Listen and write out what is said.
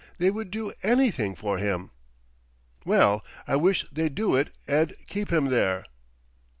they would do anything for him." "Well, I wish they'd do it and keep him there."